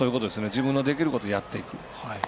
自分のできることをやっていく。